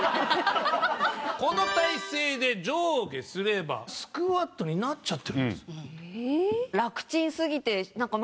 この体勢で上下すればスクワットになっちゃってるんです。